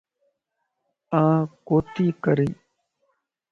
آن ڪوتي ڪرين